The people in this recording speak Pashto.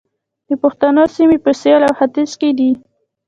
د پښتنو سیمې په سویل او ختیځ کې دي